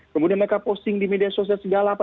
kemudian mereka posting di media sosial segala apa